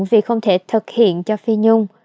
vì không thể thực hiện cho phi nhung